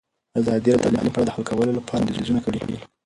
ازادي راډیو د تعلیم په اړه د حل کولو لپاره وړاندیزونه کړي.